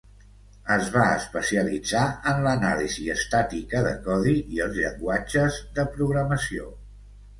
Es va especialitzar en l'anàlisi estàtica de codi i els llenguatges de programació.